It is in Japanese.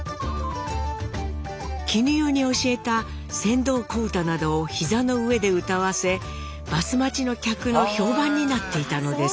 絹代に教えた「船頭小唄」などを膝の上で歌わせバス待ちの客の評判になっていたのです。